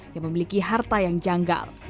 yang memiliki harta yang janggal